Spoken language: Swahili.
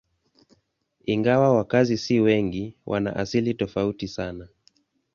Ingawa wakazi si wengi, wana asili tofauti sana.